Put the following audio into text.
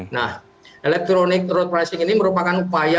nah electronic road pricing ini merupakan upaya